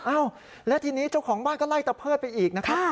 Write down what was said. อ้าวและทีนี้เจ้าของบ้านก็ไล่ตะเพิดไปอีกนะครับ